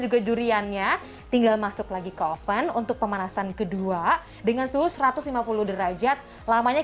juga duriannya tinggal masuk lagi ke oven untuk pemanasan kedua dengan suhu satu ratus lima puluh derajat lamanya